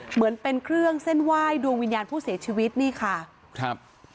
เหมือนเป็นเครื่องเส้นไหว้ดวงวิญญาณผู้เสียชีวิตนี่ค่ะครับ